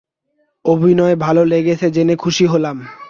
অভিনয় ভালো লেগেছে জেনে খুশি হলাম।